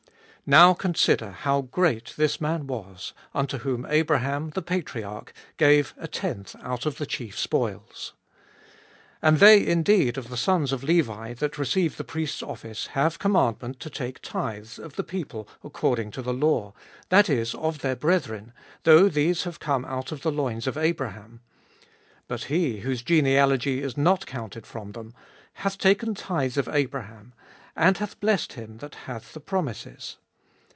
Now consider how great this man was, unto whom Abraham, the patriarch, gave a tenth out of the chief spoils. 5. And they indeed of the sons of Levi that receive the priest's office have commandment to take tithes of the people according to the law, that is, of their brethren, though these have come out of the loins of Abraham : 6. But he, whose genealogy is not counted from them, hath taken tithes of Abraham, and hath blessed him that hath the promises.